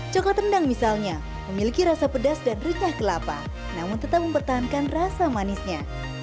coklat rendang misalnya memiliki rasa pedas dan renyah kelapa namun tetap mempertahankan rasa manisnya